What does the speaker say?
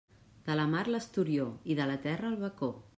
De la mar l'esturió; i de la terra, el bacó.